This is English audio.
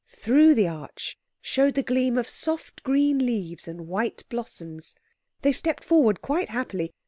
Through the arch showed the gleam of soft green leaves and white blossoms. They stepped forward quite happily.